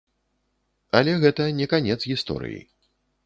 Але гэта не канец гісторыі.